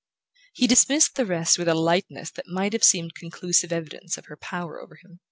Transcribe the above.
He dismissed the rest with a lightness that might have seemed conclusive evidence of her power over him.